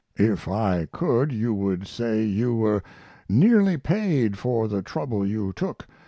If I could you would say you were nearly paid for the trouble you took.